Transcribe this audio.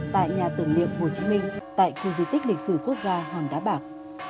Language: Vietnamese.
tại nhà tưởng niệm hồ chí minh tại khu di tích lịch sử quốc gia hòn đá bạc